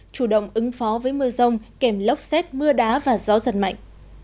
chủ động ứng phó với mưa rông kèm lốc xét mưa đá và gió giật mạnh